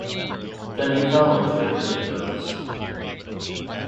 Then he fell into a kind of doze.